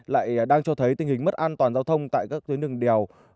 lại đang cho thấy tình hình mất an toàn giao thông tại các tuyến đường đèo